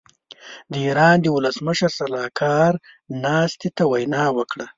د ايران د ولسمشر سلاکار ناستې ته وینا وکړه.